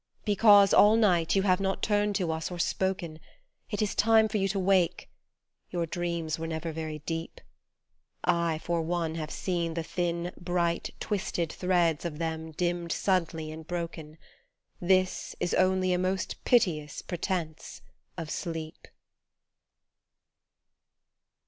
Because all night you have not turned to us or spoken It is time for you to wake ; your dreams were never very deep : I, for one, have seen the thin, bright, twisted threads of them dimmed suddenly and broken, This is only a most piteous pretence of sleep